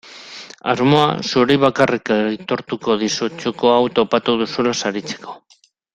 Asmoa zuri bakarrik aitortuko dizut txoko hau topatu duzula saritzeko.